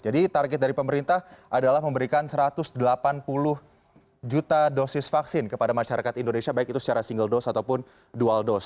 jadi target dari pemerintah adalah memberikan satu ratus delapan puluh juta dosis vaksin kepada masyarakat indonesia baik itu secara single dose ataupun dual dose